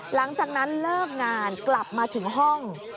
หลังจากนั้นเลิกงานกลับมาถึงห้อง